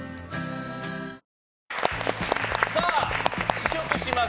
試食します。